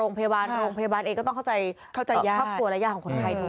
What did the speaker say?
เข้าใจยาก